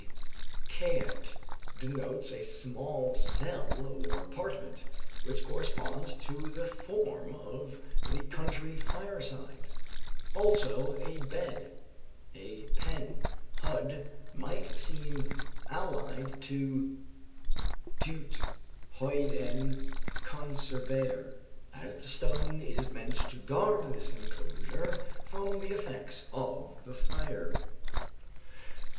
Sw. G., kaette, denotes a small cell or apartment, which corresponds to the form of the country fireside; also a bed; a pen. Hud might seem allied to Teut. huyd en, conservare, as the stone is meant to guard this enclosure from the effects of the fire.